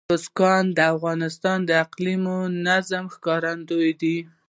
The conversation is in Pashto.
بزګان د افغانستان د اقلیمي نظام ښکارندوی ده.